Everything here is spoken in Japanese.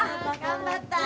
頑張った。